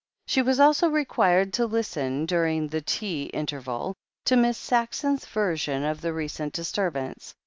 She was also required to listen, during the tea inter val, to Miss Saxon's version of the recent disturbance.